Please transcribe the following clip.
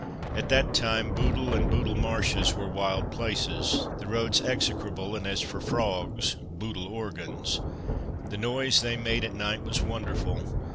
At that time Bootle and Bootle Marshes were wild places, the roads execrable, and as for frogs (Bootle organs), the noise they made at night was wonderful.